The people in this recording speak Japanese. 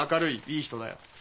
いい人だよ。